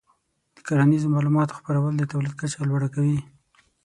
د کرنیزو معلوماتو خپرول د تولید کچه لوړه کوي.